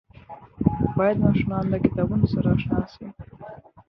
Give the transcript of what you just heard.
باید ماشومان د کتابونو سره اشنا شي.